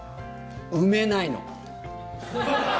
埋めないの。